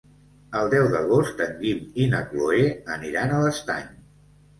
El deu d'agost en Guim i na Cloè aniran a l'Estany.